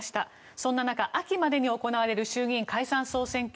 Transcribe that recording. そんな中、秋までに行われる衆議院解散・総選挙。